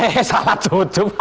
eh salah tutup